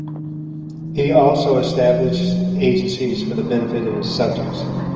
He also established agencies for benefit of his subjects.